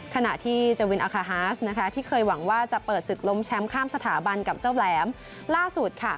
ขณะที่เจวินอาคาฮาสที่เคยหวังว่าจะเปิดศึกล้มแชมป์ข้ามสถาบันกับเจ้าแหลมล่าสุดค่ะ